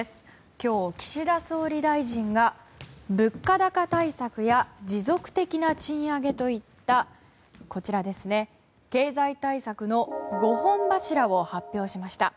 今日、岸田総理大臣が物価高対策や持続的な賃上げといった経済対策の５本柱を発表しました。